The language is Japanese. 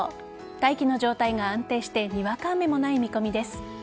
大気の状態が安定してにわか雨もない見込みです。